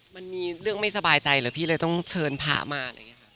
มันมีเรื่องไม่สบายใจหรือหรือว่าพี่ต้องเชิญพระมา